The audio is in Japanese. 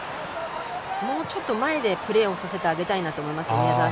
もうちょっと前でプレーさせてあげたいなと思います。